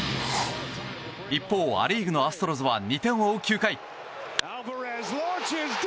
一方、ア・リーグのアストロズは２点を追う９回。